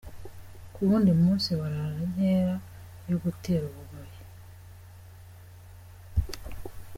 Ku wundi munsi barara inkera yo gutera u Bugoyi.